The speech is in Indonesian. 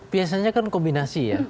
biasanya kan kombinasi ya